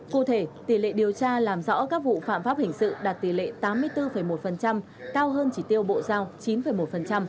cụ thể tỷ lệ điều tra làm rõ các vụ phạm pháp hình sự đạt tỷ lệ tám mươi bốn một cao hơn chỉ tiêu bộ giao chín một